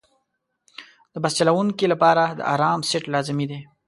د بس چلوونکي لپاره د آرام سیټ لازمي دی.